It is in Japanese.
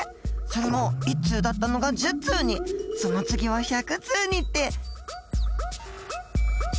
それも１通だったのが１０通にその次は１００通にって。